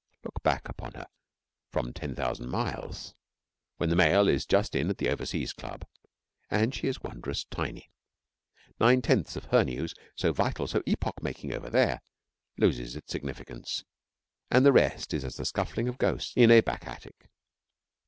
Look back upon her from ten thousand miles, when the mail is just in at the Overseas Club, and she is wondrous tiny. Nine tenths of her news so vital, so epoch making over there loses its significance, and the rest is as the scuffling of ghosts in a back attic.